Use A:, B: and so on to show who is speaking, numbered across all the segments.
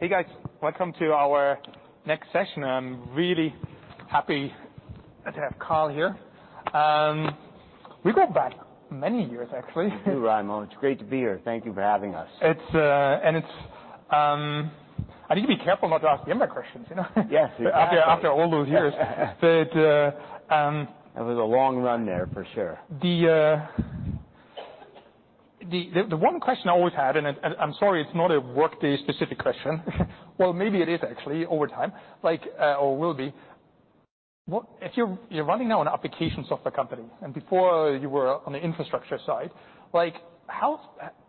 A: Hey, guys. Welcome to our next session. I'm really happy to have Carl here. We go back many years, actually.
B: We do, Raimo. It's great to be here. Thank you for having us.
A: I need to be careful not to ask VMware questions, you know?
B: Yes, exactly.
A: After all those years. But,
B: It was a long run there, for sure.
A: The one question I always had, and I'm sorry, it's not a Workday-specific question. Well, maybe it is actually over time, like, or will be. What if you're running now an application software company, and before you were on the infrastructure side, like, how,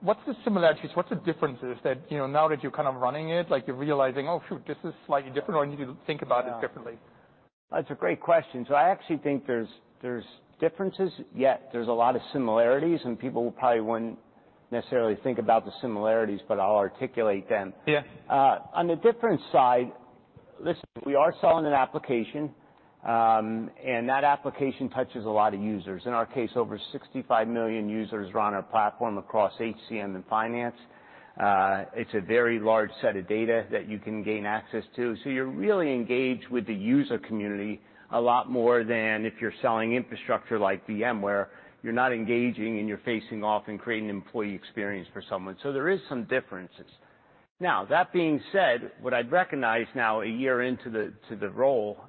A: what's the similarities, what's the differences that, you know, now that you're kind of running it, like, you're realizing, Oh, shoot, this is slightly different, or I need to think about it differently?
B: That's a great question. So I actually think there's differences, yet there's a lot of similarities, and people probably wouldn't necessarily think about the similarities, but I'll articulate them. On the difference side, listen, we are selling an application, and that application touches a lot of users. In our case, over 65 million users are on our platform across HCM and finance. It's a very large set of data that you can gain access to. So you're really engaged with the user community a lot more than if you're selling infrastructure like VMware. You're not engaging, and you're facing off and creating an employee experience for someone. So there is some differences. Now, that being said, what I'd recognize now, a year into the role,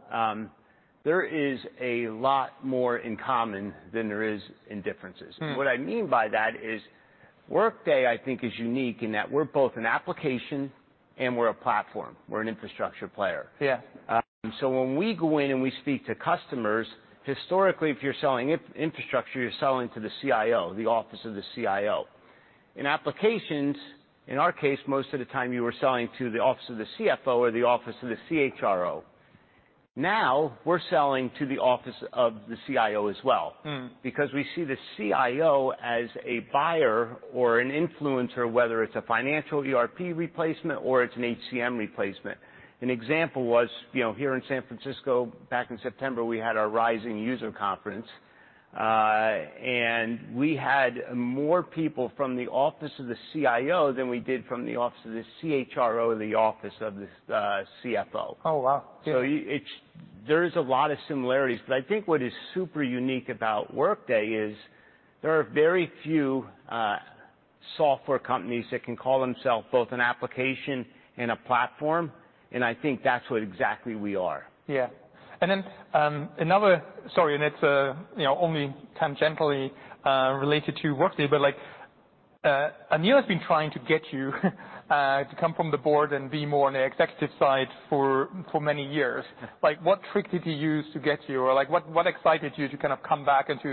B: there is a lot more in common than there is in differences. What I mean by that is, Workday, I think, is unique in that we're both an application and we're a platform. We're an infrastructure player. So when we go in and we speak to customers, historically, if you're selling infrastructure, you're selling to the CIO, the office of the CIO. In applications, in our case, most of the time you were selling to the office of the CFO or the office of the CHRO. Now, we're selling to the office of the CIO as well- -because we see the CIO as a buyer or an influencer, whether it's a financial ERP replacement or it's an HCM replacement. An example was, you know, here in San Francisco, back in September, we had our Rising user conference, and we had more people from the office of the CIO than we did from the office of the CHRO or the office of the CFO.
A: Oh, wow!
B: So, there is a lot of similarities, but I think what is super unique about Workday is there are very few software companies that can call themselves both an application and a platform, and I think that's what exactly we are..
A: And then, sorry, and it's, you know, only tangentially related to Workday, but, like, Aneel has been trying to get you to come from the board and be more on the executive side for many years. Like, what trick did he use to get you? Or, like, what excited you to kind of come back into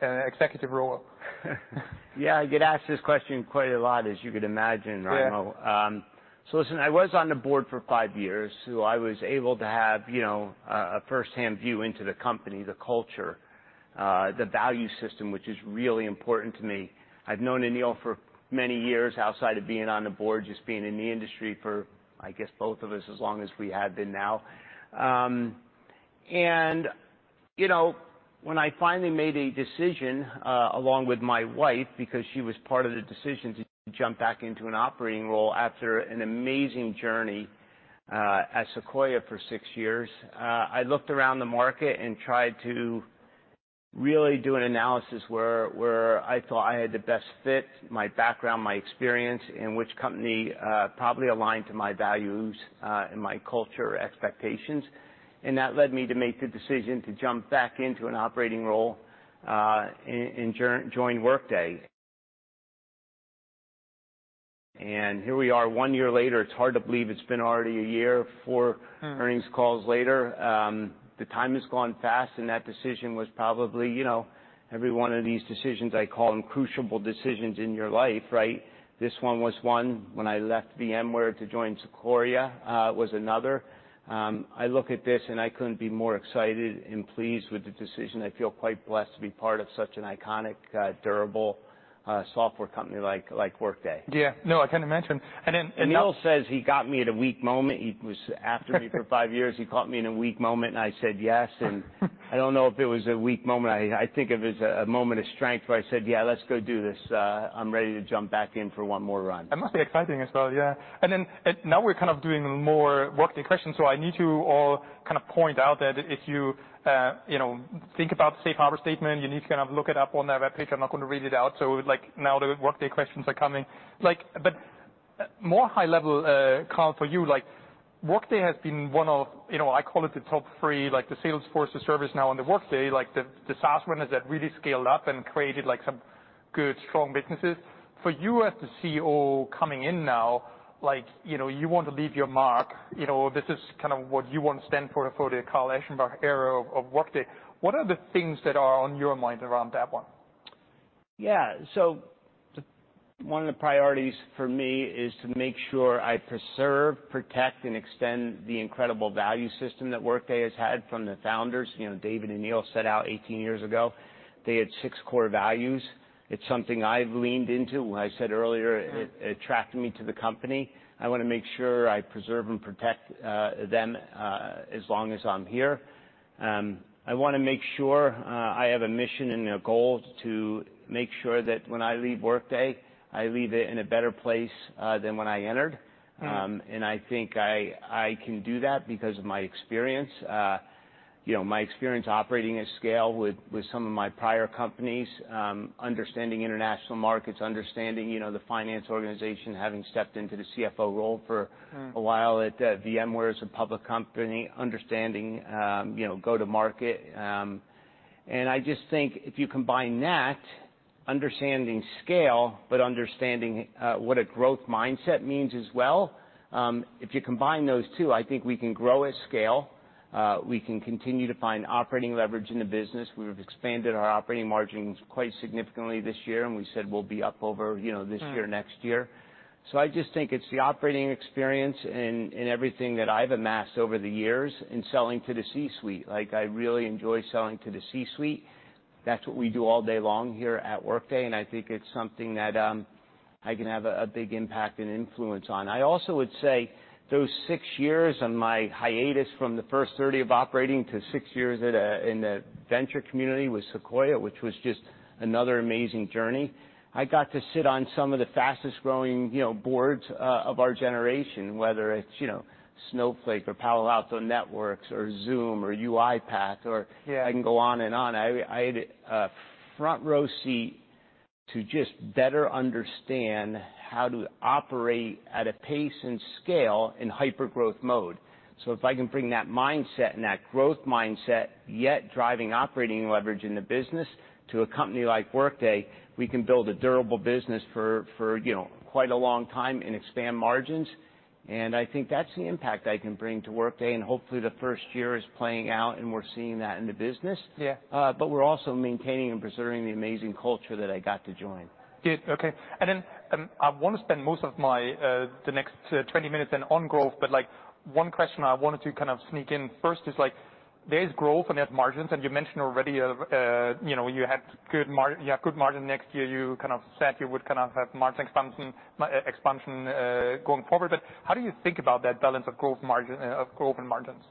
A: an executive role?,
B: I get asked this question quite a lot, as you can imagine, Raimo. So listen, I was on the board for 5 years, so I was able to have, you know, a firsthand view into the company, the culture, the value system, which is really important to me. I've known Aneel for many years outside of being on the board, just being in the industry for, I guess, both of us, as long as we have been now. And, you know, when I finally made a decision, along with my wife, because she was part of the decision to jump back into an operating role after an amazing journey at Sequoia for 6 years, I looked around the market and tried to really do an analysis where, where I thought I had the best fit, my background, my experience, and which company probably aligned to my values and my culture expectations. That led me to make the decision to jump back into an operating role, and join Workday. And here we are, one year later. It's hard to believe it's been already a year, four-... earnings calls later. The time has gone fast, and that decision was probably, you know, every one of these decisions, I call them crucible decisions in your life, right? This one was one. When I left VMware to join Sequoia, was another. I look at this, and I couldn't be more excited and pleased with the decision. I feel quite blessed to be part of such an iconic, durable, software company like, like Workday.
A: No, I kind of mentioned. And then-
B: Aneel says he got me at a weak moment. He was after me for five years. He caught me in a weak moment, and I said yes, and I don't know if it was a weak moment. I think of it as a moment of strength where I said, ", let's go do this. I'm ready to jump back in for one more run.
A: That must be exciting as well,. And then, now we're kind of doing more Workday questions, so I need to, kind of point out that if you, you know, think about the safe harbor statement, you need to kind of look it up on their webpage. I'm not gonna read it out, so, like, now the Workday questions are coming. Like, but, more high level, Carl, for you, like, Workday has been one of... You know, I call it the top three, like the Salesforce, the ServiceNow and the Workday, like the, the SaaS runners that really scaled up and created, like, some good, strong businesses. For you as the CEO coming in now, like, you know, you want to leave your mark. You know, this is kind of what you want to stand for, for the Carl Eschenbach era of Workday. What are the things that are on your mind around that one?.
B: So one of the priorities for me is to make sure I preserve, protect, and extend the incredible value system that Workday has had from the founders. You know, David and Aneel set out 18 years ago. They had six core values. It's something I've leaned into. When I said earlier, it attracted me to the company. I wanna make sure I preserve and protect them as long as I'm here. I wanna make sure I have a mission and a goal to make sure that when I leave Workday, I leave it in a better place than when I entered. I think I can do that because of my experience. You know, my experience operating at scale with some of my prior companies, understanding international markets, understanding, you know, the finance organization, having stepped into the CFO role for- A while at VMware as a public company, understanding, you know, go-to-market. And I just think if you combine that, understanding scale, but understanding what a growth mindset means as well, if you combine those two, I think we can grow at scale. We can continue to find operating leverage in the business. We've expanded our operating margins quite significantly this year, and we said we'll be up over, you know, this year, next year. So I just think it's the operating experience and, and everything that I've amassed over the years in selling to the C-suite. Like, I really enjoy selling to the C-suite. That's what we do all day long here at Workday, and I think it's something that I can have a big impact and influence on. I also would say those 6 years on my hiatus from the first 30 of operating to 6 years in the venture community with Sequoia, which was just another amazing journey. I got to sit on some of the fastest-growing, you know, boards of our generation, whether it's, you know, Snowflake or Palo Alto Networks or Zoom or UiPath or- I can go on and on. I had a front row seat to just better understand how to operate at a pace and scale in hypergrowth mode. So if I can bring that mindset and that growth mindset, yet driving operating leverage in the business to a company like Workday, we can build a durable business for, you know, quite a long time and expand margins. And I think that's the impact I can bring to Workday, and hopefully the first year is playing out, and we're seeing that in the business. But we're also maintaining and preserving the amazing culture that I got to join.
A: Okay, and then, I wanna spend most of my, the next, 20 minutes then on growth, but, like, one question I wanted to kind of sneak in first is, like, there is growth and there's margins, and you mentioned already, you know, you had good mar- you have good margin next year. You kind of said you would kind of have margin expansion, expansion, going forward. But how do you think about that balance of growth margin, of growth and margins?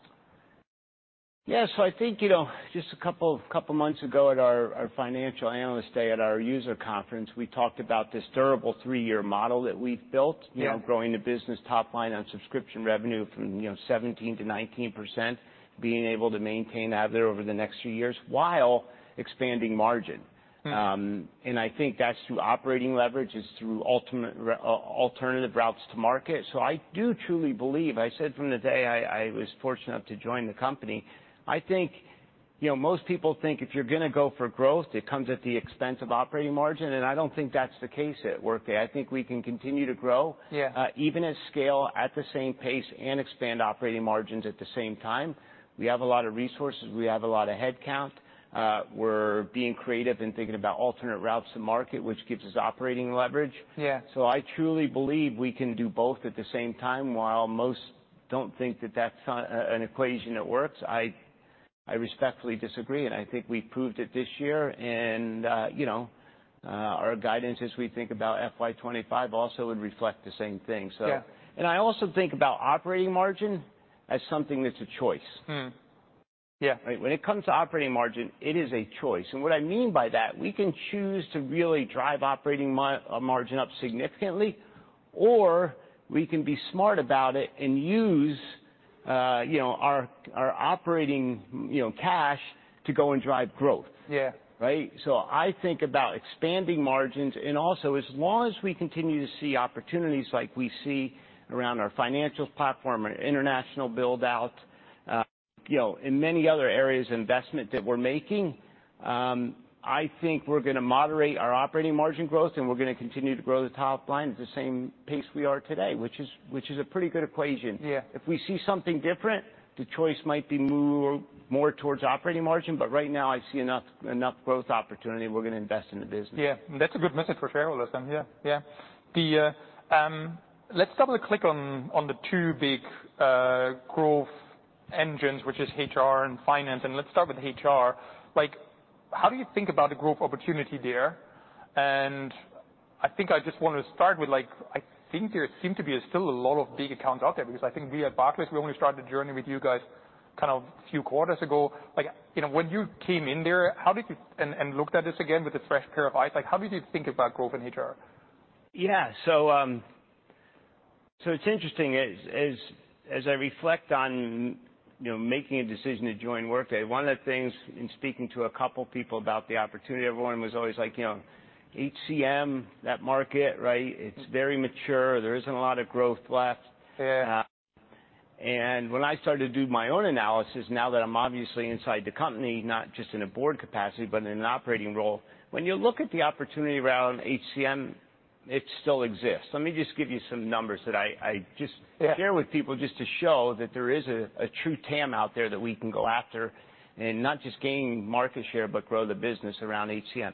B: So I think, you know, just a couple months ago at our Financial Analyst Day, at our user conference, we talked about this durable three-year model that we've built you know, growing the business top line on subscription revenue from, you know, 17%-19%, being able to maintain that there over the next few years while expanding margin. And I think that's through operating leverage, it's through alternative routes to market. So I do truly believe, I said from the day I was fortunate enough to join the company, I think, you know, most people think if you're gonna go for growth, it comes at the expense of operating margin, and I don't think that's the case at Workday. I think we can continue to grow even at scale, at the same pace, and expand operating margins at the same time. We have a lot of resources. We have a lot of headcount. We're being creative in thinking about alternate routes to market, which gives us operating leverage So I truly believe we can do both at the same time. While most don't think that that's an equation that works, I respectfully disagree, and I think we've proved it this year. And, you know, our guidance as we think about FY 2025 also would reflect the same thing, so, I also think about Operating margin as something that's a choice. Right? When it comes to operating margin, it is a choice, and what I mean by that, we can choose to really drive operating margin up significantly, or we can be smart about it and use, you know, our, our operating, you know, cash to go and drive growth Right? So I think about expanding margins and also, as long as we continue to see opportunities like we see around our Financials platform, our international build-out, you know, in many other areas of investment that we're making, I think we're gonna moderate our operating margin growth, and we're gonna continue to grow the top line at the same pace we are today, which is, which is a pretty good equation. If we see something different, the choice might be move more towards operating margin, but right now, I see enough growth opportunity, we're gonna invest in the business..
A: That's a good message for shareholders then.,. The, let's double-click on, on the two big, growth engines, which is HR and finance, and let's start with HR. Like, how do you think about the growth opportunity there? And I think I just want to start with, like, I think there seem to be still a lot of big accounts out there, because I think we at Barclays, we only started the journey with you guys kind of a few quarters ago. Like, you know, when you came in there, how did you... And, and looked at this again with a fresh pair of eyes, like, how did you think about growth in HR?,
B: so it's interesting. As I reflect on, you know, making a decision to join Workday, one of the things in speaking to a couple people about the opportunity, everyone was always like, "You know, HCM, that market, right? It's very mature. There isn't a lot of growth left. When I started to do my own analysis, now that I'm obviously inside the company, not just in a board capacity, but in an operating role, when you look at the opportunity around HCM, it still exists. Let me just give you some numbers that I just share with people, just to show that there is a true TAM out there that we can go after, and not just gain market share, but grow the business around HCM.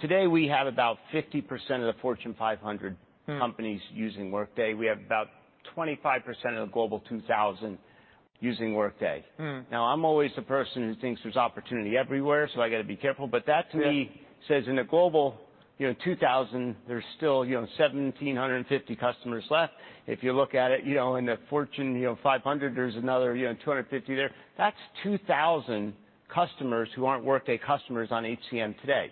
B: Today, we have about 50% of the Fortune 500 companies-... using Workday. We have about 25% of the Global 2000 using Workday. Now, I'm always the person who thinks there's opportunity everywhere, so I gotta be careful. But that, to me, says in the Global 2000, there's still, you know, 1,750 customers left. If you look at it, you know, in the Fortune 500, there's another, you know, 250 there. That's 2,000 customers who aren't Workday customers on HCM today.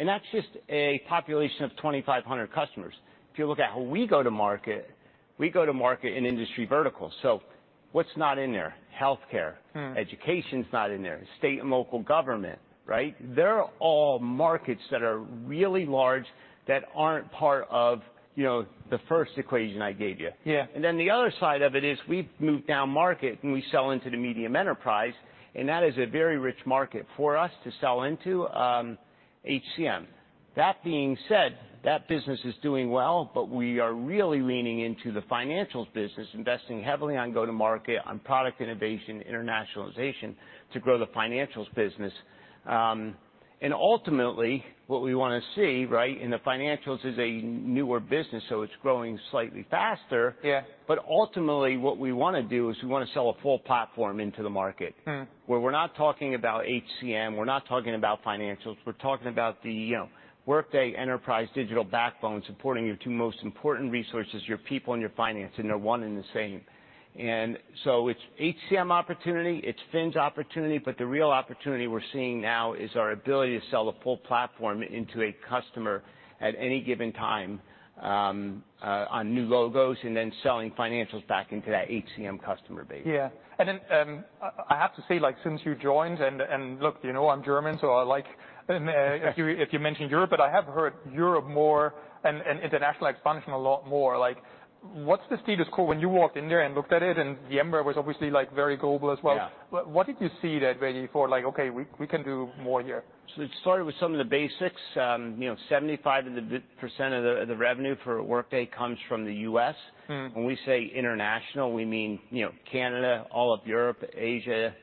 B: That's just a population of 2,500 customers. If you look at how we go to market, we go to market in industry verticals. So what's not in there? Healthcare. Education's not in there. State and local government, right? They're all markets that are really large that aren't part of, you know, the first equation I gave you. And then the other side of it is we've moved down market, and we sell into the medium enterprise, and that is a very rich market for us to sell into, HCM. That being said, that business is doing well, but we are really leaning into the financials business, investing heavily on go-to-market, on product innovation, internationalization, to grow the financials business. And ultimately, what we wanna see, right, in the financials is a newer business, so it's growing slightly faster. But ultimately, what we wanna do is we wanna sell a full platform into the market. Where we're not talking about HCM, we're not talking about financials. We're talking about the, you know, Workday enterprise digital backbone supporting your two most important resources, your people and your finance, and they're one and the same. And so it's HCM opportunity, it's Fins opportunity, but the real opportunity we're seeing now is our ability to sell the full platform into a customer at any given time, on new logos, and then selling financials back into that HCM customer base..
A: And then, I have to say, like, since you joined, and look, you know I'm German, so I like... if you mention Europe, but I have heard Europe more and international expansion a lot more. Like, what's the status quo? When you walked in there and looked at it, and the emperor was obviously, like, very global as wel What did you see that ready for, like, "Okay, we can do more here?
B: So we've started with some of the basics. You know, 75% of the revenue for Workday comes from the U.S. When we say international, we mean, you know, Canada, all of Europe, Asia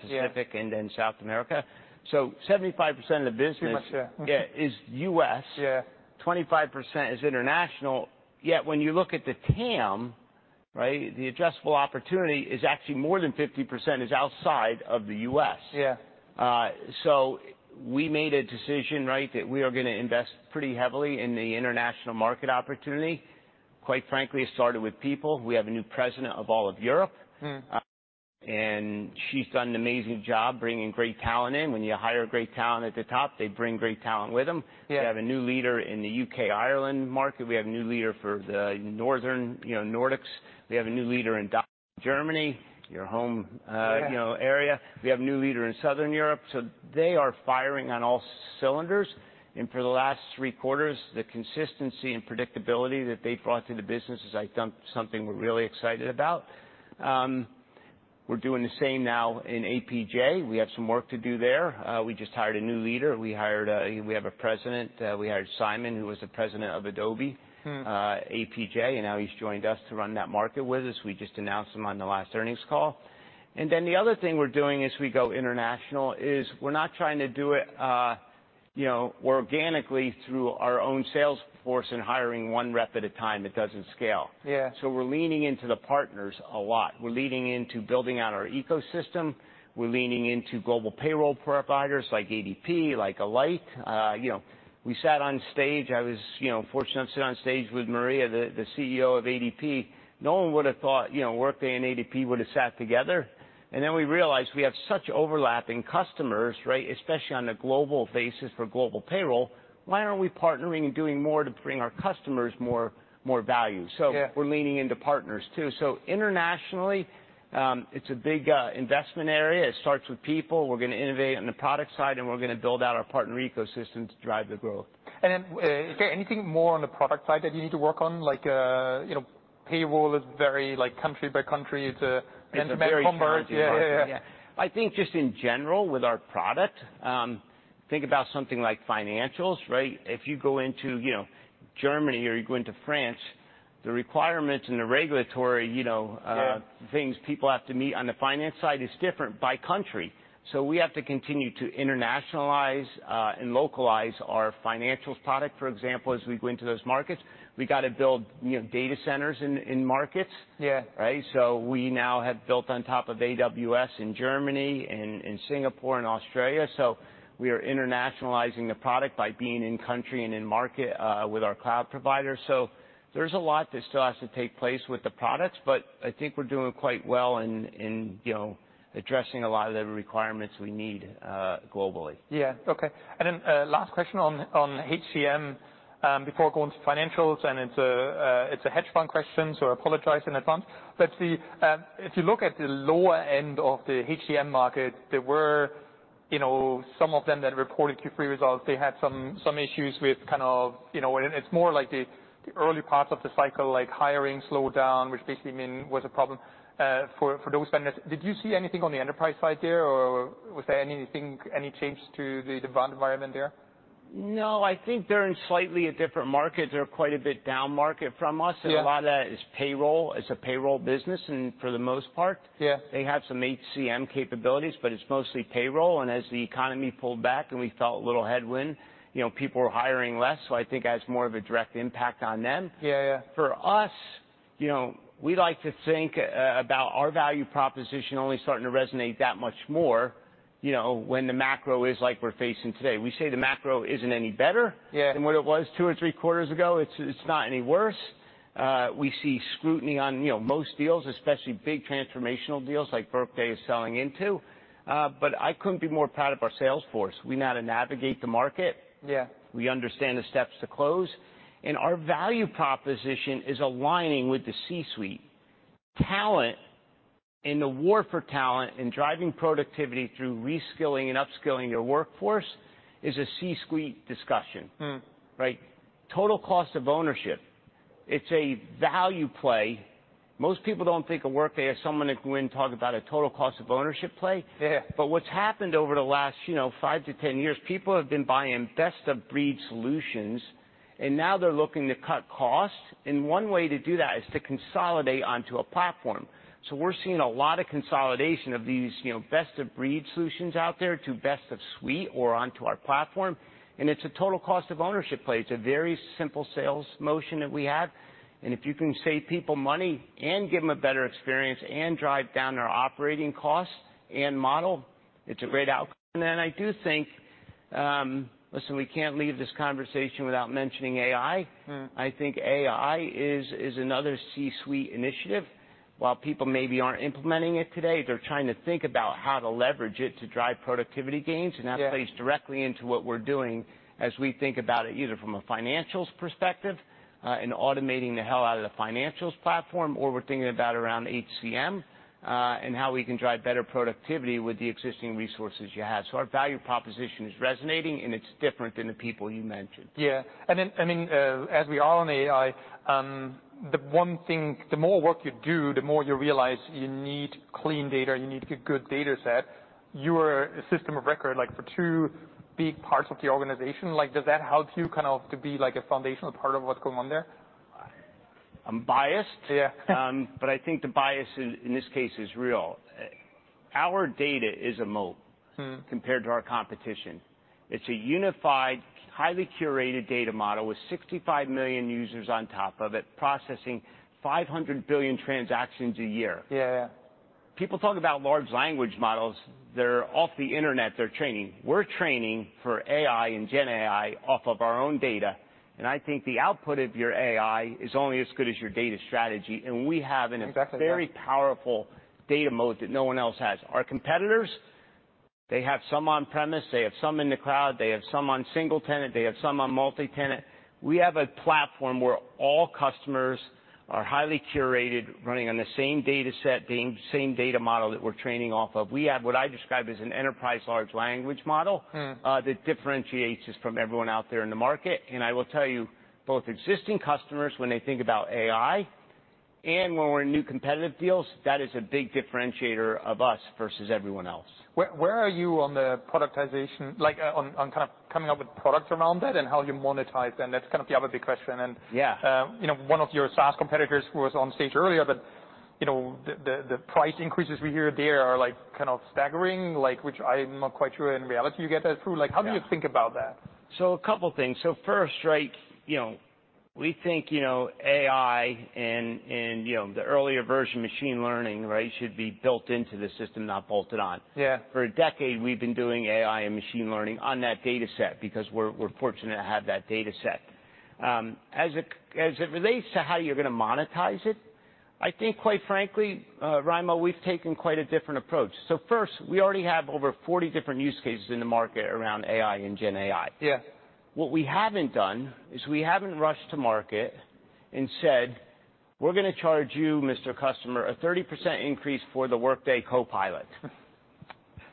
B: Pacific, and then South America. So 75% of the business-
A: Pretty much,.
B: Is U.S. 25% is international, yet when you look at the TAM, right, the addressable opportunity is actually more than 50% is outside of the U.S. So we made a decision, right, that we are gonna invest pretty heavily in the international market opportunity. Quite frankly, it started with people. We have a new president of all of Europe. She's done an amazing job bringing great talent in. When you hire great talent at the top, they bring great talent with them We have a new leader in the UK, Ireland market. We have a new leader for the northern, you know, Nordics. We have a new leader in Germany, your home. you know, area. We have a new leader in Southern Europe, so they are firing on all cylinders. And for the last 3 quarters, the consistency and predictability that they've brought to the business is, I think, something we're really excited about. We're doing the same now in APJ. We have some work to do there. We just hired a new leader. We hired a—we have a president. We hired Simon, who was the president of Adobe-... APJ, and now he's joined us to run that market with us. We just announced him on the last earnings call. And then the other thing we're doing as we go international is we're not trying to do it, you know, organically through our own sales force and hiring one rep at a time. It doesn't scale So we're leaning into the partners a lot. We're leaning into building out our ecosystem. We're leaning into global payroll providers like ADP, like Alight. You know, we sat on stage. I was, you know, fortunate to sit on stage with Maria, the CEO of ADP. No one would've thought, you know, Workday and ADP would've sat together, and then we realized we have such overlapping customers, right? Especially on a global basis for global payroll. Why aren't we partnering and doing more to bring our customers more, more value? So we're leaning into partners, too. So internationally, it's a big investment area. It starts with people. We're gonna innovate on the product side, and we're gonna build out our partner ecosystem to drive the growth.
A: And then, okay, anything more on the product side that you need to work on? Like, you know, payroll is very, like, country by country. It's a-
B: It's a very challenging market. I think just in general, with our product, think about something like financials, right? If you go into, you know, Germany or you go into France, the requirements and the regulatory, you know,... things people have to meet on the finance side is different by country. So we have to continue to internationalize and localize our financials product, for example, as we go into those markets. We've got to build, you know, data centers in markets. Right? So we now have built on top of AWS in Germany and in Singapore and Australia, so we are internationalizing the product by being in country and in market with our cloud provider. So there's a lot that still has to take place with the products, but I think we're doing quite well in you know addressing a lot of the requirements we need globally..
A: Okay. And then, last question on HCM, before I go into financials, and it's a hedge fund question, so I apologize in advance. But if you look at the lower end of the HCM market, there were, you know, some of them that reported Q3 results. They had some issues with kind of... You know, and it's more like the early parts of the cycle, like hiring slowed down, which basically meant was a problem for those vendors. Did you see anything on the enterprise side there, or was there anything, any change to the demand environment there?
B: No, I think they're in slightly a different market. They're quite a bit downmarket from us. A lot of that is payroll. It's a payroll business, and for the most part they have some HCM capabilities, but it's mostly payroll, and as the economy pulled back and we felt a little headwind, you know, people were hiring less, so I think it has more of a direct impact on them. You know, we like to think about our value proposition only starting to resonate that much more, you know, when the macro is like we're facing today. We say the macro isn't any bette -than what it was two or three quarters ago. It's, it's not any worse. We see scrutiny on, you know, most deals, especially big transformational deals like Workday is selling into. But I couldn't be more proud of our sales force. We know how to navigate the market We understand the steps to close, and our value proposition is aligning with the C-suite. Talent and the war for talent and driving productivity through reskilling and upskilling your workforce is a C-suite discussion. Right? Total cost of ownership, it's a value play. Most people don't think of Workday as someone that can go in and talk about a total cost of ownership play But what's happened over the last, you know, 5-10 years, people have been buying best-of-breed solutions, and now they're looking to cut costs, and one way to do that is to consolidate onto a platform. So we're seeing a lot of consolidation of these, you know, best-of-breed solutions out there to best of suite or onto our platform, and it's a total cost of ownership play. It's a very simple sales motion that we have, and if you can save people money and give them a better experience and drive down their operating costs and model, it's a great outcome. And then I do think... Listen, we can't leave this conversation without mentioning AI. I think AI is another C-suite initiative. While people maybe aren't implementing it today, they're trying to think about how to leverage it to drive productivity gains. That plays directly into what we're doing as we think about it, either from a financials perspective, and automating the hell out of the financials platform, or we're thinking about around HCM, and how we can drive better productivity with the existing resources you have. So our value proposition is resonating, and it's different than the people you mentioned..
A: And then, I mean, as we are on AI, the one thing, the more work you do, the more you realize you need clean data, you need a good data set. You are a system of record, like, for two big parts of the organization. Like, does that help you kind of to be, like, a foundational part of what's going on there?
B: I'm biased. But I think the bias in this case is real. Our data is a moat- -compared to our competition. It's a unified, highly curated data model with 65 million users on top of it, processing 500 billion transactions a year. People talk about large language modells that are off the internet. They're training. We're training for AI and GenAI off of our own data, and I think the output of your AI is only as good as your data strategy, and we have-
A: Exactly,.
B: a very powerful data moat that no one else has. Our competitors, they have some on-premise, they have some in the cloud, they have some on single tenant, they have some on multi-tenant. We have a platform where all customers are highly curated, running on the same data set, the same data model that we're training off of. We have what I describe as an enterprise large language model. That differentiates us from everyone out there in the market. I will tell you, both existing customers, when they think about AI and when we're in new competitive deals, that is a big differentiator of us versus everyone else.
A: Where are you on the productization, like, on kind of coming up with products around that and how you monetize them? That's kind of the other big question and- You know, one of your SaaS competitors was on stage earlier, but, you know, the price increases we hear there are, like, kind of staggering, like, which I'm not quite sure in reality you get that through. Like, how do you think about that?
B: So a couple things. So first, right, you know, we think, you know, AI and you know, the earlier version, machine learning, right, should be built into the system, not bolted on For a decade, we've been doing AI and machine learning on that data set because we're fortunate to have that data set. As it relates to how you're gonna monetize it, I think, quite frankly, Raimo, we've taken quite a different approach. So first, we already have over 40 different use cases in the market around AI and GenAI. What we haven't done is we haven't rushed to market and said: We're gonna charge you, Mr. Customer, a 30% increase for the Workday copilot.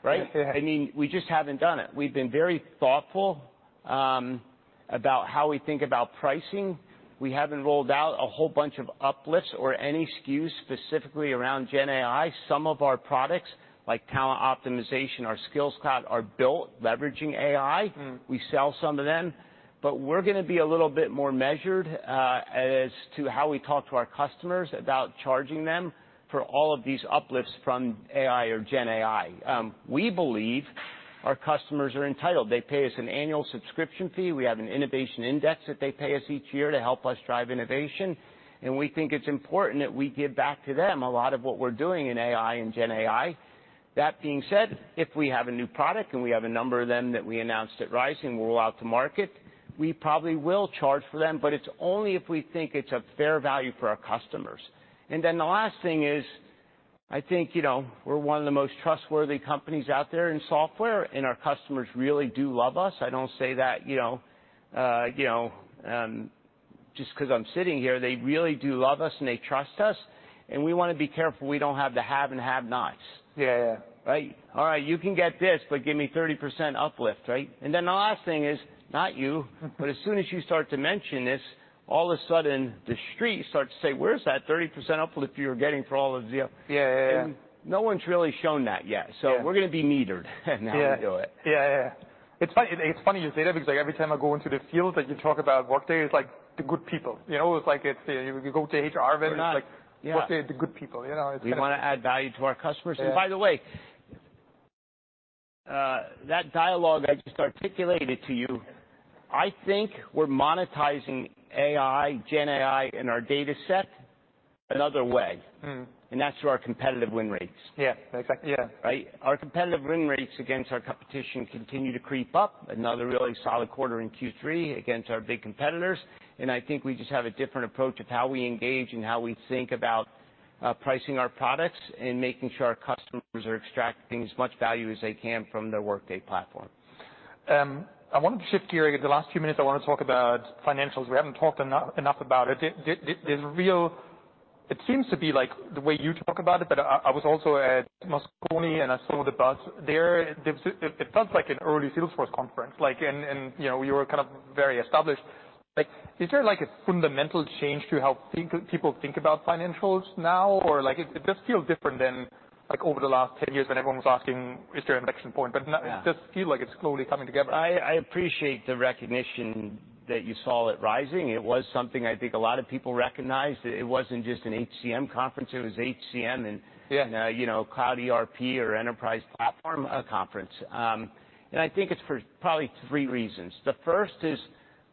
B: Right? I mean, we just haven't done it. We've been very thoughtful about how we think about pricing. We haven't rolled out a whole bunch of uplifts or any SKUs specifically around GenAI. Some of our products, like Talent Optimization, our Skills Cloud, are built leveraging AI. We sell some of them, but we're gonna be a little bit more measured, as to how we talk to our customers about charging them for all of these uplifts from AI or GenAI. We believe our customers are entitled. They pay us an annual subscription fee. We have an innovation index that they pay us each year to help us drive innovation, and we think it's important that we give back to them a lot of what we're doing in AI and GenAI. That being said, if we have a new product, and we have a number of them that we announced at Rising, we'll go to market, we probably will charge for them, but it's only if we think it's a fair value for our customers. Then the last thing is, I think, you know, we're one of the most trustworthy companies out there in software, and our customers really do love us. I don't say that, you know, just 'cause I'm sitting here. They really do love us, and they trust us, and we wanna be careful we don't have the have and have-not Right? All right, you can get this, but give me 30% uplift, right? And then the last thing is, not you, but as soon as you start to mention this, all of a sudden, the Street starts to say, "Where's that 30% uplift you're getting for all of the... No one's really shown that yet. We're gonna be metered in how we do it..,.
A: It's funny, it's funny you say that because, like, every time I go into the field, and you talk about Workday, it's like the good people, you know? It's like, it's, you go to HR-
B: They're not-
A: Like, Workday, the good people, you know?
B: We wanna add value to our customers. And by the way, that dialogue I just articulated to you, I think we're monetizing AI, gen AI, in our data set another way. That's through our competitive win rates.,
A: exactly..
B: Right? Our competitive win rates against our competition continue to creep up. Another really solid quarter in Q3 against our big competitors, and I think we just have a different approach of how we engage and how we think about pricing our products and making sure our customers are extracting as much value as they can from their Workday platform.
A: I wanted to shift gear. The last few minutes, I want to talk about financials. We haven't talked enough about it. The real—it seems to be like the way you talk about it, but I was also at Moscone, and I saw the buzz there. It felt like an early Salesforce conference. Like, and you know, you were kind of very established. Like, is there like a fundamental change to how people think about financials now? Or like. It does feel different than like over the last 10 years when everyone was asking, "Is there an inflection point? But now it does feel like it's slowly coming together.
B: I appreciate the recognition that you saw it rising. It was something I think a lot of people recognized. It wasn't just an HCM conference, it was HCM and-... you know, Cloud ERP or enterprise platform conference. I think it's for probably three reasons. The first is,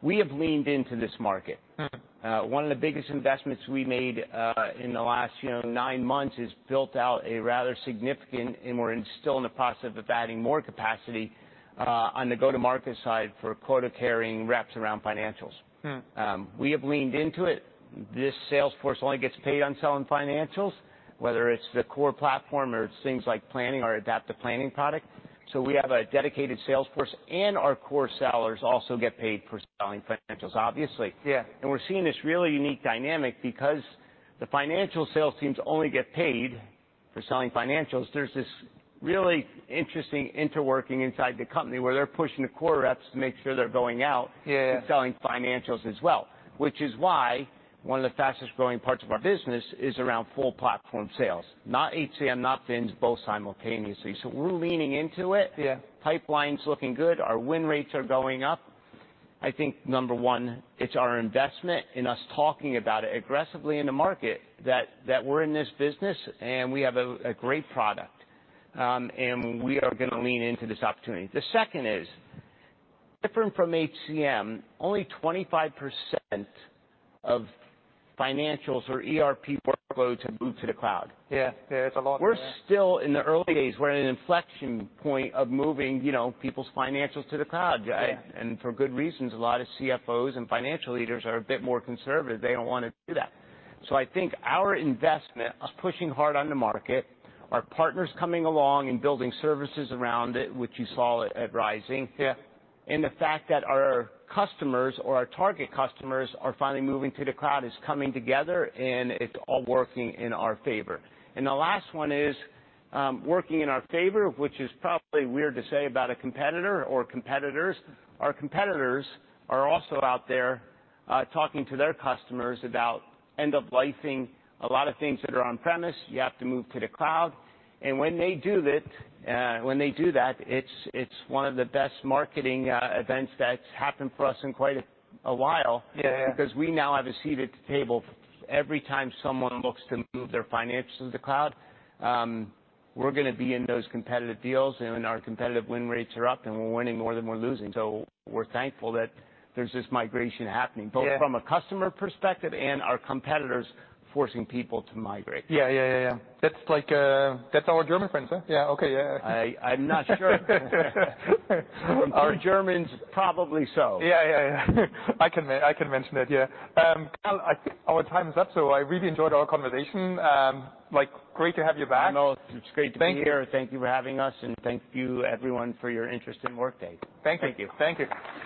B: we have leaned into this market.
A: Mm-h
B: One of the biggest investments we made, in the last, you know, nine months, is built out a rather significant, and we're still in the process of adding more capacity, on the go-to-market side for quota-carrying reps around financials We have leaned into it. This sales force only gets paid on selling financials, whether it's the core platform or it's things like planning or Adaptive Planning product. So we have a dedicated sales force, and our core sellers also get paid for selling financials, obviously. We're seeing this really unique dynamic because the financial sales teams only get paid for selling financials. There's this really interesting interworking inside the company, where they're pushing the core reps to make sure they're going out- and selling financials as well, which is why one of the fastest-growing parts of our business is around full platform sales, not HCM, not fins, both simultaneously. So we're leaning into it. Pipeline's looking good. Our win rates are going up. I think, number one, it's our investment in us talking about it aggressively in the market, that we're in this business, and we have a great product. And we are gonna lean into this opportunity. The second is, different from HCM, only 25% of financials or ERP workloads have moved to the cloud..,
A: it's a lot,.
B: We're still in the early days. We're in an inflection point of moving, you know, people's financials to the cloud. For good reasons. A lot of CFOs and financial leaders are a bit more conservative. They don't wanna do that. I think our investment, us pushing hard on the market, our partners coming along and building services around it, which you saw at Rising.... and the fact that our customers or our target customers are finally moving to the cloud, is coming together, and it's all working in our favor. And the last one is working in our favor, which is probably weird to say about a competitor or competitors. Our competitors are also out there talking to their customers about end-of-lifing a lot of things that are on premise, you have to move to the cloud. And when they do it, when they do that, it's one of the best marketing events that's happened for us in quite a while. Because we now have a seat at the table. Every time someone looks to move their financials to the cloud, we're gonna be in those competitive deals, and our competitive win rates are up, and we're winning more than we're losing. We're thankful that there's this migration happening-... both from a customer perspective and our competitors forcing people to migrate..,,.
A: That's like, that's our German friends, huh?, okay..
B: I'm not sure. Our Germans, probably so.,,.
A: I can mention it,. Carl, I think our time is up, so I really enjoyed our conversation. Like, great to have you back.
B: No, it's great to be here.
A: Thank you.
B: Thank you for having us, and thank you, everyone, for your interest in Workday.
A: Thank you.
B: Thank you.
A: Thank you.